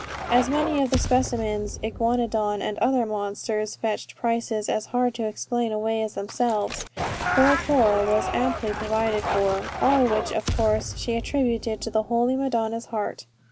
As many of the specimens, iguanodon, and other monsters, fetched prices as hard to explain away as themselves, poor Cora was amply provided for: all which of course she attributed to the holy Madonna's heart.